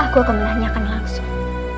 aku akan menanyakan langsung